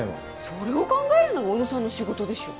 それを考えるのが小野さんの仕事でしょ。